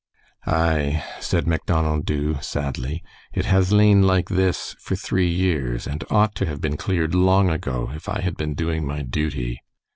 "Aye," said Macdonald Dubh, sadly. "It has lain like this for three years, and ought to have been cleared long ago, if I had been doing my duty."